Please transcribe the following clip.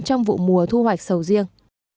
trong vụ mùa thu hoạch sầu riêng